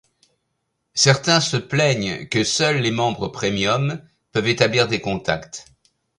Certains se plaignent que seuls les membres Premium peuvent établir des contacts.